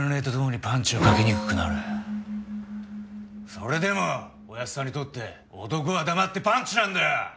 それでもおやっさんにとって男は黙ってパンチなんだよ！